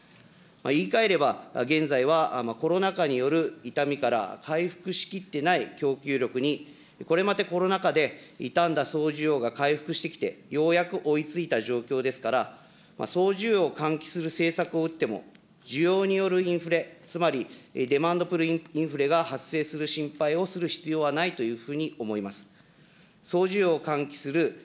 言いかえれば、現在はコロナ禍による痛みから回復しきってない供給力に、これまたコロナ禍で痛んだ総需要が回復してきて、ようやく追いついた状況ですから、総需要を喚起する政策を打っても、需要によるインフレ、つまりインフレが発生する心配をする必要はないというふうに思います。